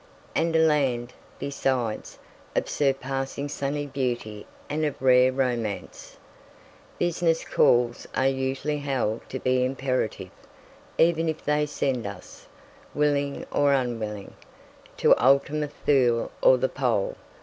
And a land, besides, of surpassing sunny beauty and of rare romance. Business calls are usually held to be imperative, even if they send us, willing or unwilling, to "Ultima Thule or the Pole."